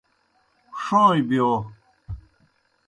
ݜوݩئیں بِیو۔